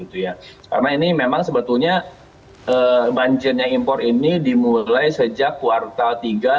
karena ini memang sebetulnya banjirnya impor ini dimulai sejak kuartal tiga dua ribu dua puluh dua